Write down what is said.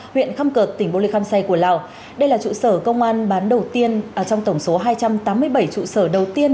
huyện khâm cợt tỉnh bô lê khăm say của lào đây là trụ sở công an bán đầu tiên trong tổng số hai trăm tám mươi bảy trụ sở đầu tiên